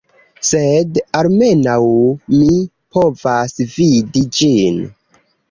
Sed almenaŭ mi povas vidi ĝin